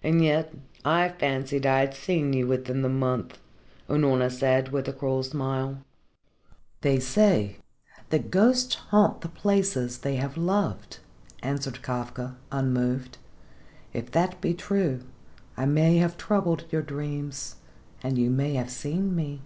"And yet I fancied I had seen you within the month," Unorna said, with a cruel smile. "They say that ghosts haunt the places they have loved," answered Kafka unmoved. "If that be true I may have troubled your dreams and you may have seen me.